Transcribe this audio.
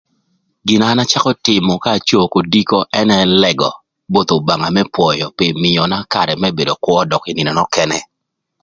Gina an acakö tïmö ka acoo kodiko ënë Lëgö both Obanga më pwöyö pï mïöna karë më bedo kwö dökï ï nïnö nökënë.